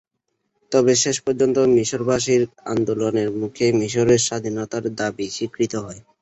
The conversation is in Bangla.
তবে শেষ পর্যন্ত মিসরবাসীর আন্দোলনের মুখে মিসরের স্বাধীনতার দাবি স্বীকৃত হয়।